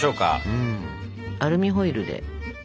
アルミホイルで。